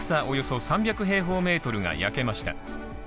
およそ３００平方メートルが焼けました。